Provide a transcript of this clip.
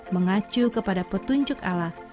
mengacu kepada petunjuk allah